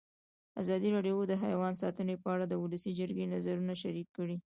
ازادي راډیو د حیوان ساتنه په اړه د ولسي جرګې نظرونه شریک کړي.